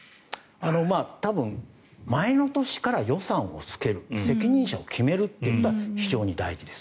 多分前の年から予算をつける責任者を決めるということは非常に大事です。